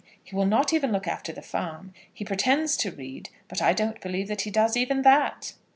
He will not even look after the farm. He pretends to read, but I don't believe that he does even that."